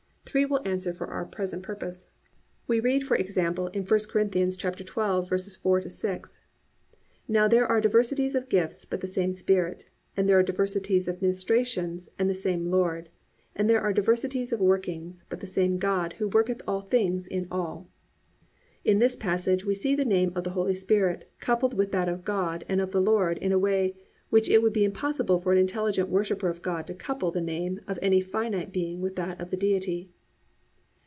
Three will answer for our present purpose. (1) We read, for example, in I Corinthians 12:4 6: +"Now there are diversities of gifts, but the same Spirit. And there are diversities of ministrations, and the same Lord. And there are diversities of workings, but the same God, who worketh all things in all."+ In this passage we see the name of the Holy Spirit coupled with that of God and of the Lord in a way in which it would be impossible for an intelligent worshipper of God to couple the name of any finite being with that of the Deity.